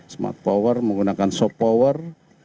smart power menggunakan soft power